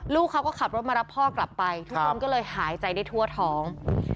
ลูกเขาก็ขับรถมารับพ่อกลับไปทุกคนก็เลยหายใจได้ทั่วท้อง